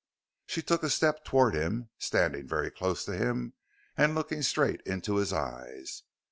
She took a step toward him, standing very close to him and looking straight into his eyes.